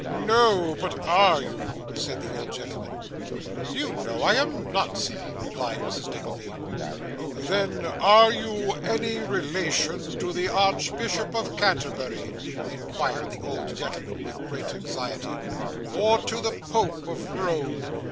'No, but are you?' said the old gentleman. 'You know I am not, sir,' replied Mrs. Nickleby. 'Then are you any relation to the Archbishop of Canterbury?' inquired the old gentleman with great anxiety, 'or to the Pope of Rome?